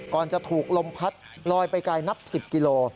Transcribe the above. จะถูกลมพัดลอยไปไกลนับ๑๐กิโล